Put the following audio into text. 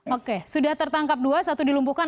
oke sudah tertangkap dua satu dilumpuhkan